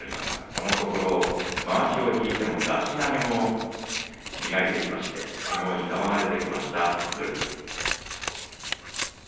このところまわしを引いての出し投げも磨いてきまして相撲に幅が出てきました翠富士です。